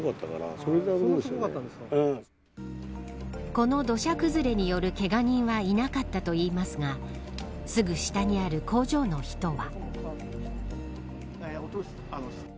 この土砂崩れによるけが人はいなかったといいますがすぐ下にある工場の人は。